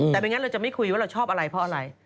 แต่ไม่งั้นเราจะไม่คุยว่าเราชอบอะไรเพราะอะไร